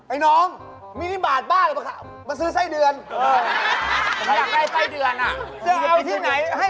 ไอ้น้องไม่ได้บาทบ้าเลยหรือเปล่า